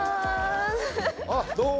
あっどうも！